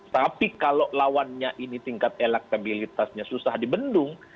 tapi kalau lawannya ini tingkat elaktabilitasnya susah di bendung